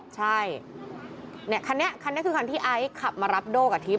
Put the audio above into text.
ใช่คันนี้คือคันที่ไอซ์ขับมารับโดกกระทิบ